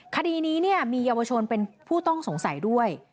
คดีนี้มีเยาวชนเป็นผู้ต้องสงสัยด้วย